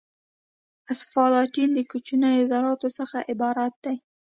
اسفالټین د کوچنیو ذراتو څخه عبارت دی